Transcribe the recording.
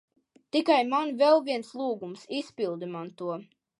Tikai man vēl viens lūgums. Izpildi man to.